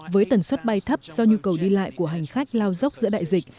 với tần suất bay thấp do nhu cầu đi lại của hành khách lao dốc giữa đại dịch